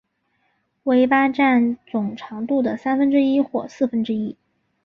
尾巴占总长度的三分之一或四分之一。